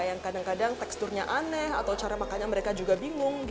yang kadang kadang teksturnya aneh atau cara makannya mereka juga bingung